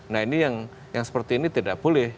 nah ini yang seperti ini tidak boleh